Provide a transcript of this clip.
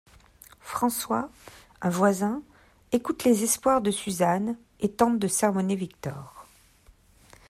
François, un voisin, écoute les espoirs de Suzanne et tente de sermonner Victor.